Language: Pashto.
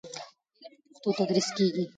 علم په پښتو تدریس کېږي.